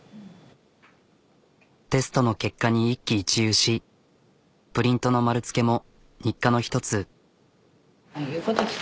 テストの結果に一喜一憂しプリントの丸つけも日課の一つ。